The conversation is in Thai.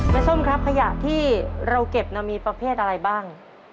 ส้มครับขยะที่เราเก็บมีประเภทอะไรบ้าง